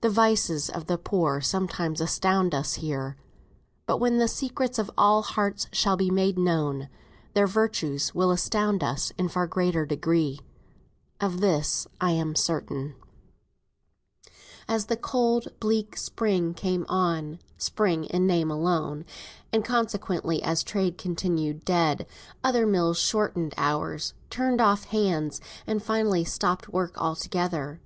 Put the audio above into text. The vices of the poor sometimes astound us here; but when the secrets of all hearts shall be made known, their virtues will astound us in far greater degree. Of this I am certain. As the cold bleak spring came on (spring, in name alone), and consequently as trade continued dead, other mills shortened hours, turned off hands, and finally stopped work altogether.